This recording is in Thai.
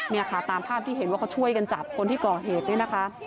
เนี่ยค่ะตามภาพที่เห็นว่าเขาช่วยกันจับคนที่ก่อเหตุเนี่ยนะคะ